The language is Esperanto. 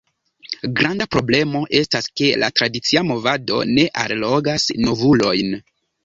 Granda problemo estas ke la tradicia movado ne allogas novulojn.